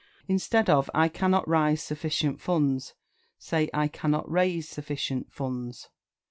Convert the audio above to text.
Instead of "I cannot rise sufficient funds," say "I cannot raise sufficient funds."